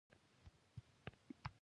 تور لوګي تر غونډيو پورته ولاړ ول.